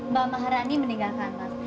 mbah maharani meninggalkan mas